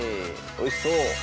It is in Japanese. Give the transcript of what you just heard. おいしそう！